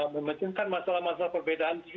memencengkan masalah masalah perbedaan kita